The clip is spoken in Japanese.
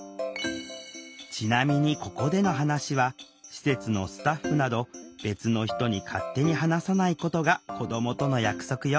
ちなみにここでの話は施設のスタッフなど別の人に勝手に話さないことが子どもとの約束よ。